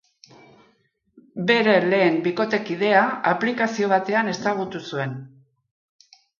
Bere lehen bikotekidea aplikazio batean ezagutu zuen.